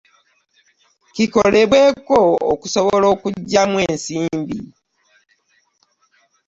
Kikolebweko okusobola okuggyamu ensimbi.